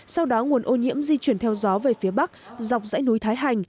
sau đó nguồn ô nhiễm di chuyển theo gió về phía bắc dọc dãy núi thái hành